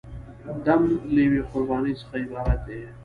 دم له یوې قربانۍ څخه عبارت دی.